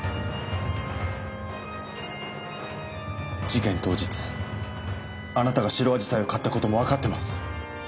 事件当日あなたが白紫陽花を買った事もわかってます。